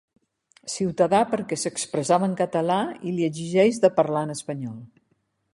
Ciutadà perquè s’expressava en català i li exigeix de parlar en espanyol.